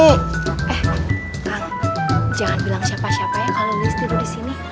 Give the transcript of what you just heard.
eh kang jangan bilang syapa syapanya kalau lelis tidur di sini